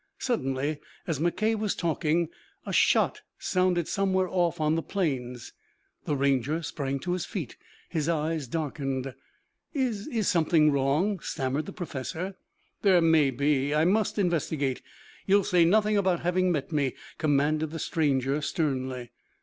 Suddenly, as McKay was talking, a shot sounded somewhere off on the plains. The Ranger sprang to his feet, his eyes darkened. "Is is something wrong?" stammered the professor. "There may be. I must investigate. You will say nothing about having met me," commanded the stranger sternly.